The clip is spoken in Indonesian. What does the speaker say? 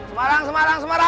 semarang semarang semarang